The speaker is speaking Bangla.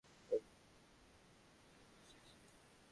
কনডম লাগে ওর বাপের, এই বয়সে এসে!